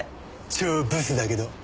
超ブスだけど。